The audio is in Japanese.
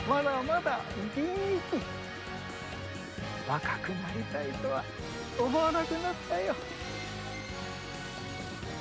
若くなりたいとは思わなくなったよ。